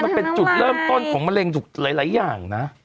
มันเป็นจุดเริ่มต้นของมะเร็งหลายอย่างนะ